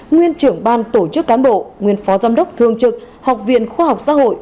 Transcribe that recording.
nguyên trưởng ban tổ chức cán bộ nguyên phó giám đốc thương trực học viện khoa học xã hội